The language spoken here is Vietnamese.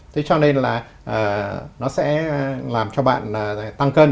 thế cho nên là nó sẽ làm cho bạn tăng cân